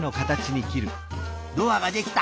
ドアができた！